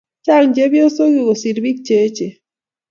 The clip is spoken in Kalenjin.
Chang chepyosok yuu kosiir biik cheechen